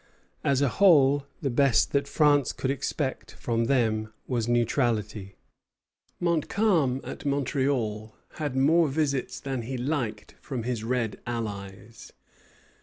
As a whole, the best that France could expect from them was neutrality. Montcalm at Montreal had more visits than he liked from his red allies.